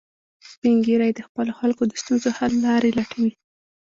سپین ږیری د خپلو خلکو د ستونزو حل لارې لټوي